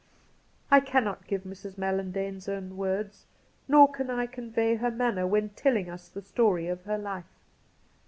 I cannot give Mrs. MaUandane's own words, nor can I convey her manner when telling us the story of her life.